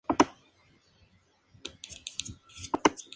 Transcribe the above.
Ochenta y cinco empresas mexicanas operan en territorio guatemalteco.